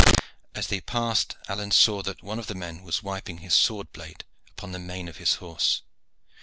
As they passed Alleyne saw that one of the men was wiping his sword blade upon the mane of his horse.